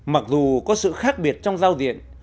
mặc dù có sự khác biệt trong giao diện